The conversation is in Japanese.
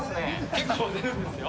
・結構出るんですよ